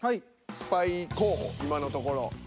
スパイ候補今のところ。